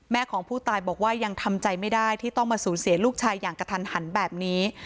ของผู้ตายบอกว่ายังทำใจไม่ได้ที่ต้องมาสูญเสียลูกชายอย่างกระทันหันแบบนี้